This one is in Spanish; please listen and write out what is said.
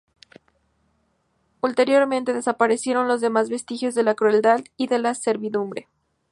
Ulteriormente, desaparecieron los demás vestigios de la crueldad y de la servidumbre.